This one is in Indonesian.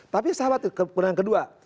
tapi sahabat kemenangan kedua